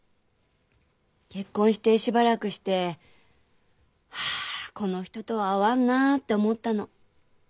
結婚してしばらくしてああこの人とは合わんなあって思ったの。